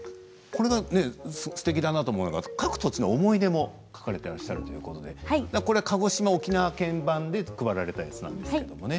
すてきだなと思うのが各土地の思い出を書かれていらっしゃるということで、これは鹿児島沖縄版で配ったやつですね。